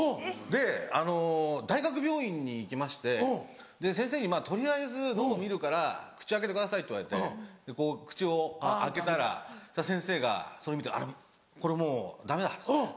で大学病院に行きまして先生に「取りあえず喉診るから口開けてください」って言われてこう口を開けたらそしたら先生がそれ見て「あらこれもうダメだ。